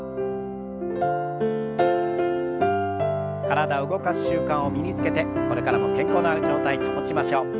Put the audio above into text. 体を動かす習慣を身につけてこれからも健康な状態保ちましょう。